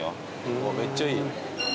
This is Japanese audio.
うわめっちゃいい。